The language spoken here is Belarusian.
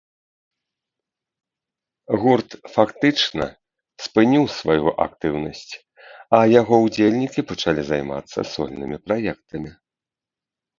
Гурт фактычна спыніў сваю актыўнасць, а яго ўдзельнікі пачалі займацца сольнымі праектамі.